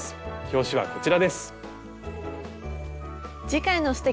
表紙はこちらです。